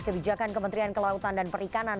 kebijakan kementerian kelautan dan perikanan